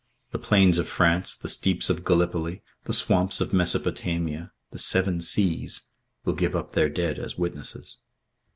The plains of France, the steeps of Gallipoli, the swamps of Mesopotamia, the Seven Seas will give up their dead as witnesses.